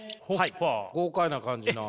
豪快な感じな。